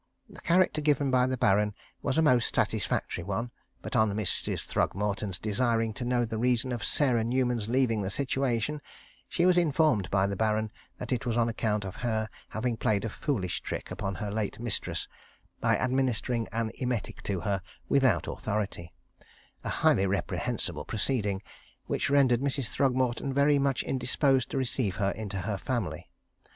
The character given by the Baron was a most satisfactory one, but on Mrs. Throgmorton's desiring to know the reason of Sarah Newman's leaving the situation, she was informed by the Baron that it was on account of her having played a foolish trick upon her late mistress by administering an emetic to her without authority, a highly reprehensible proceeding, which rendered Mrs. Throgmorton very much indisposed to receive her into her family.